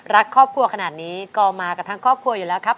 รักครอบครัวขนาดนี้ก็มากันทั้งครอบครัวอยู่แล้วครับ